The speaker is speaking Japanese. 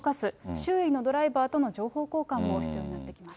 周囲のドライバーとの情報交換も必要になってきます。